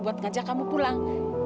buat ngajak kamu pulang